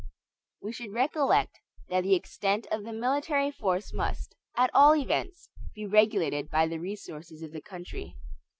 We should recollect that the extent of the military force must, at all events, be regulated by the resources of the country.